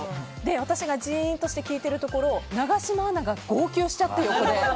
私がじーんとして聞いてるところ永島アナが号泣しちゃって、横で。